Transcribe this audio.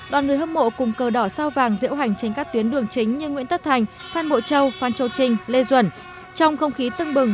đoàn người hâm mộ cùng cờ đỏ sao vàng diễu hành trên các tuyến đường chính như nguyễn tất thành phan bộ châu phan châu trinh lê duẩn